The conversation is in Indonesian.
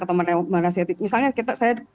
atau menasehati misalnya kita saya